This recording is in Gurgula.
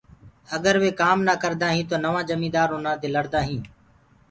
اگر وي ڪآم نآ ڪردآهيٚنٚ تو نوآ جميدآر اُنآ دي لڙدآ هينٚ۔